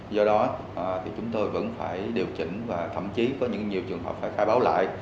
do đó thì chúng tôi vẫn phải điều chỉnh và thậm chí có những nhiều trường hợp phải khai báo lại